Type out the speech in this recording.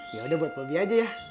yaudah buat bobby aja yah